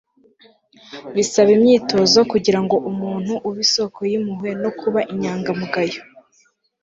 bisaba imyitozo kugira ngo umuntu ube isoko y'impuhwe no kuba inyangamugayo. - james altucher